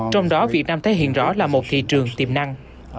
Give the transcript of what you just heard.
trong đó việt nam thể hiện rõ là một thị trường tiềm năng